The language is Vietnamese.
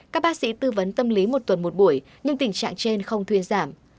các bác sĩ tư vấn tâm lý một tuần một buổi nhưng tình trạng trên không thuyên giảm